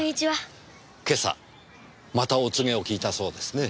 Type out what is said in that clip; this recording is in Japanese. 今朝またお告げを聞いたそうですね。